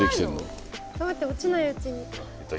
食べて落ちないうちに。